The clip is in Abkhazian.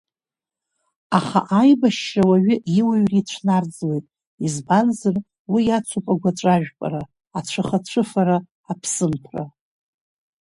Аха аибашьра ауаҩы иуаҩра ицәнарӡуеит, избанзар, уи иацуп агәаҵәажәпара, ацәыха-цәыфара, аԥсымҭәра.